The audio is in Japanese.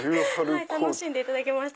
楽しんでいただけました？